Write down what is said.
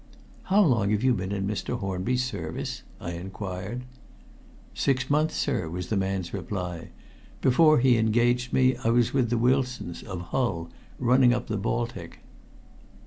"How long have you been in Mr. Hornby's service?" I inquired. "Six months, sir," was the man's reply. "Before he engaged me, I was with the Wilsons, of Hull, running up the Baltic."